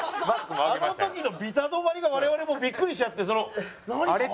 あの時のビタ止まりが我々もビックリしちゃってその。